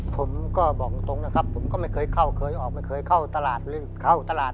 ผมก็บอกตรงนะครับผมก็ไม่เคยเข้าเคยออกไม่เคยเข้าตลาดหรือเข้าตลาด